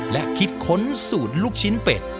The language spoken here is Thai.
และคิดค้นสูตรลูกชิ้นเป็ด